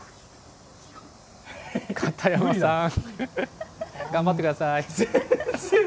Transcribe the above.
片山さん、頑張ってください。